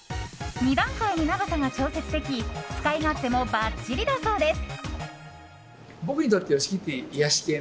２段階に長さが調節でき使い勝手もばっちりだそうです。